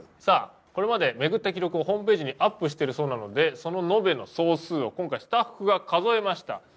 さあこれまでめぐった記録をホームページにアップしてるそうなのでその延べの総数を今回スタッフが数えました。